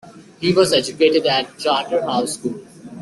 He was educated at Charterhouse School.